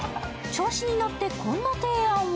調子に乗ってこんな提案を。